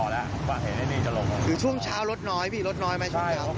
แสบว่าว่าคงไม่ได้มองหรือเปล่าอะไร